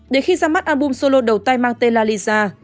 để khi ra mắt album solo đầu tay mang tên la liza